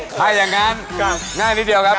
ถ้าอย่างนั้นง่ายนิดเดียวครับ